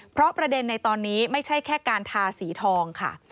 เพราะประเด็นในตอนนี้ไม่ใช่แค่การทาสีทองค่ะ